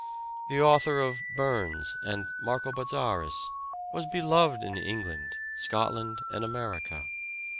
The author of ''Burns" and "Marco Bozzaris" was beloved in England, Scotland and America.